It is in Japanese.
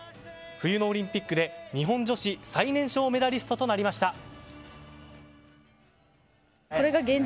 冬のオリンピックで日本女子最年少メダリストとなりました。